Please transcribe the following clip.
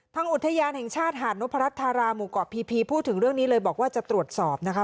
อุทยานแห่งชาติหาดนพรัฐธาราหมู่เกาะพีพีพูดถึงเรื่องนี้เลยบอกว่าจะตรวจสอบนะคะ